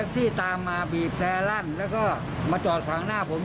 ซี่ตามมาบีบแต่ลั่นแล้วก็มาจอดขวางหน้าผม